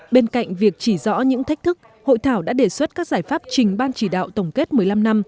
bên cạnh việc chỉ rõ những thách thức hội thảo đã đề xuất các giải pháp trình ban chỉ đạo tổng kết một mươi năm năm